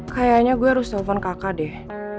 kayaknya gue harus telepon kakak deh